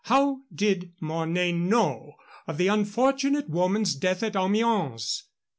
How did Mornay know of the unfortunate woman's death at Amiens?